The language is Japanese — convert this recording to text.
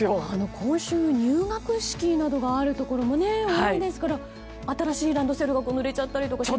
今週、入学式などがあるところも多いですから新しいランドセルがぬれちゃったりとか。